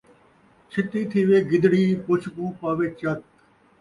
چھتی تھیوے گدڑی ، پُچھ کوں پاوے چک